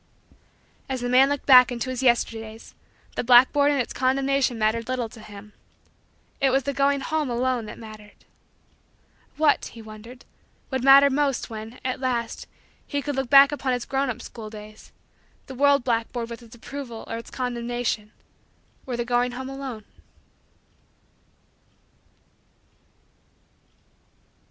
As the man looked back into his Yesterdays, the blackboard and its condemnation mattered little to him. It was the going home alone that mattered. What, he wondered, would matter most when, at last, he could look back upon his grown up school days the world blackboard with its approval or its condemnation, or the going home alone?